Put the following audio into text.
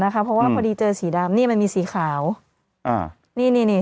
นะคะเพราะว่าพอดีเจอสีดำนี่มันมีสีขาวอ่านี่นี่นี่